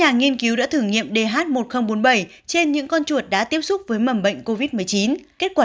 nhà nghiên cứu đã thử nghiệm dh một nghìn bốn mươi bảy trên những con chuột đã tiếp xúc với mầm bệnh covid một mươi chín kết quả